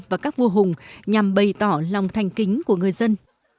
và các vua hùng nhằm bày tỏ lòng thành kính của người dân